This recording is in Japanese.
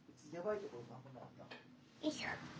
よいしょ。